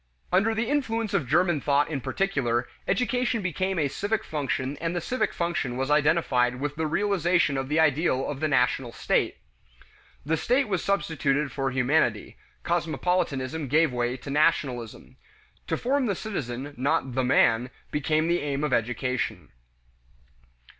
Under the influence of German thought in particular, education became a civic function and the civic function was identified with the realization of the ideal of the national state. The "state" was substituted for humanity; cosmopolitanism gave way to nationalism. To form the citizen, not the "man," became the aim of education.